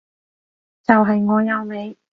就係我有你